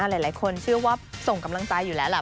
หลายคนเชื่อว่าส่งกำลังใจอยู่แล้วแหละ